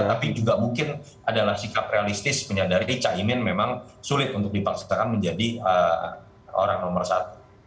tapi juga mungkin adalah sikap realistis menyadari caimin memang sulit untuk dipaksakan menjadi orang nomor satu